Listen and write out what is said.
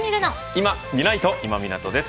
いまみないと、今湊です。